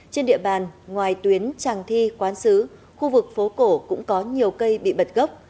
trên địa bàn ngoài tuyến tràng thi quán sứ khu vực phố cổ cũng có nhiều cây bị bật gốc